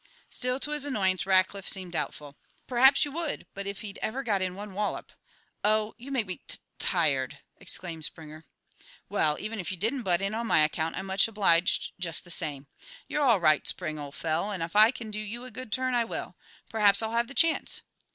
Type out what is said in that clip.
Still, to his annoyance, Rackliff seemed doubtful. "Perhaps you would, but if he'd ever got in one wallop " "Oh, you make me tut tired!" exclaimed Springer. "Well, even if you didn't butt in on my account, I'm much obliged, just the same. You're all right, Spring, old fel, and if I can do you a good turn I will. Perhaps I'll have the chance.